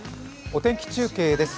お天気中継です。